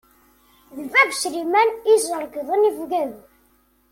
D bab Sliman i yesserkden ifeggagen.